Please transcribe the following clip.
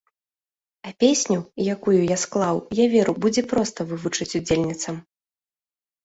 А песню, якую я склаў, я веру, будзе проста вывучыць удзельніцам.